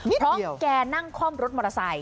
นิดเดียวเพราะแกนั่งคล่อมรถมอเตอร์ไซค์